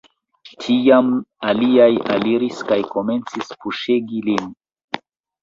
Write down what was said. Tiam aliaj aliris kaj komencis puŝegi lin.